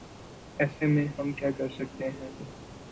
ایسے میں ہم کیا کر سکتے ہیں ۔